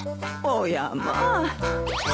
おやまあ。